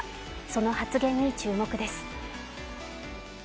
その発言に注目です。